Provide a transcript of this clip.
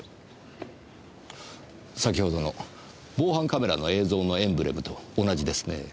先ほどの防犯カメラの映像のエンブレムと同じですね。